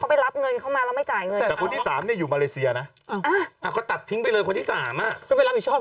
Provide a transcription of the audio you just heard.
อันนี้เราตีปากแล้วเดี๋ยวคุณผู้ชมไปบอก